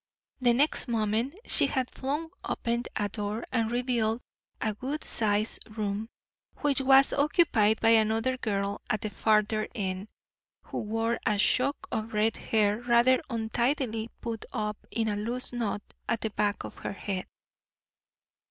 The next moment she had flung open a door, and revealed a good sized room, which was occupied by another girl at the farther end, who wore a shock of red hair rather untidily put up in a loose knot at the back of her head.